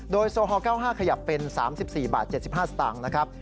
โดยโซฮอล์๙๕ขยับเป็น๓๔๗๕บาทนะครับ